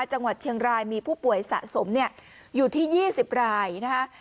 จังหวัดเชียงรายมีผู้ป่วยสะสมเนี่ยอยู่ที่ยี่สิบรายนะคะ